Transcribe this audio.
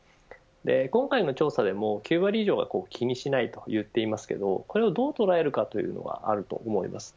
今回の調査でも９割以上が気にしないと言っていますけれどこれをどうとらえるかというのがあると思います。